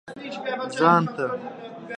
ځان ته.